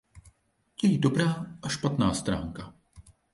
Její dobrá a špatná stránka.